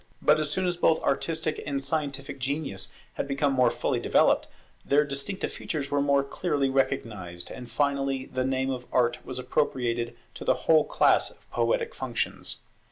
But as soon as both artistic and scientific genius had become more fully developed, their distinctive features were more clearly recognized, and finally the name of Art was appropriated to the whole class of poetic functions.